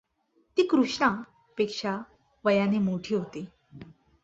ती कृष्णा पेक्षा वयाने मोठी होती.